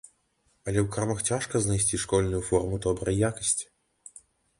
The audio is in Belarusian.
Але ў крамах цяжка знайсці школьную форму добрай якасці.